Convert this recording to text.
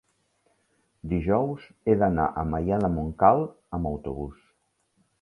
dijous he d'anar a Maià de Montcal amb autobús.